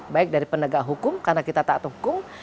baik dari penegak hukum karena kita tak tukung